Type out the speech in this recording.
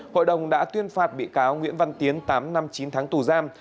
hội đồng đã tuyên phạt bị cáo nguyễn văn tiến tám năm chín tháng tù giam